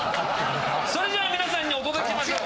それじゃあ皆さんにお届けしましょう。